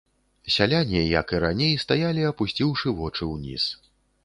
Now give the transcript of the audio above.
Сяляне, як і раней, стаялі, апусціўшы вочы ўніз.